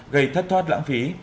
gây thất thoát lãng phí